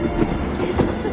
警察